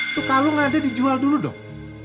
itu kalau nggak ada dijual dulu dong